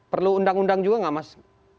perlu undang undang juga nggak mas